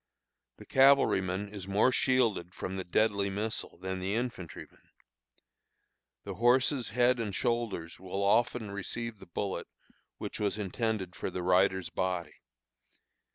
The cavalryman is more shielded from the deadly missile than the infantryman. The horse's head and shoulders will often receive the bullet which was intended for the rider's body.